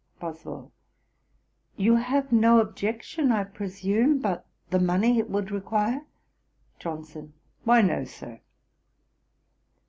BOSWELL. 'You have no objection, I presume, but the money it would require.' JOHNSON. 'Why, no, Sir.'